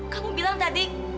kamu bilang tadi